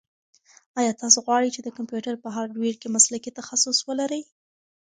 ایا تاسو غواړئ چې د کمپیوټر په هارډویر کې مسلکي تخصص ولرئ؟